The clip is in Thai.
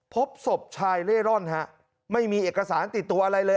พบศพชายเล่ร่อนฮะไม่มีเอกสารติดตัวอะไรเลย